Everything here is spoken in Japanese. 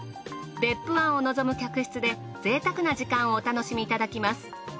別府湾を望む客室で贅沢な時間をお楽しみいただきます。